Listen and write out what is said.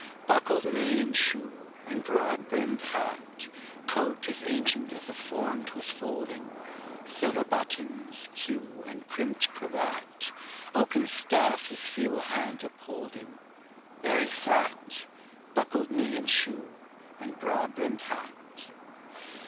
Buckled knee and shoe, and broad brimmed hat; Coat as ancient as the form 'twas folding; Silver buttons, queue, and crimped cravat; Oaken staff his feeble hand upholding; There he sat! Buckled knee and shoe, and broad brimmed hat.